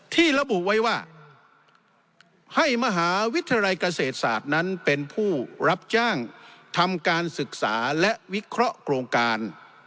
ที่ระบุไว้ว่าให้มหาวิทยาลัยเกษตรศาสตร์นั้นเป็นผู้รับจ้างทำการศึกษาและวิเคราะห์โครงการ